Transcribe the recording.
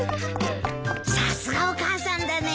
さすがお母さんだね。